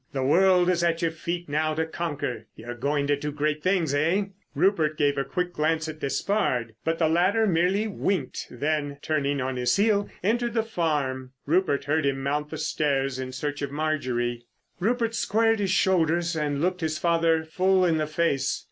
The world is at your feet now to conquer. You're going to do great things, eh?" Rupert gave a quick glance at Despard. But the latter merely winked, then, turning on his heel, entered the farm. Rupert heard him mount the stairs in search of Marjorie. Rupert squared his shoulders and looked his father full in the face.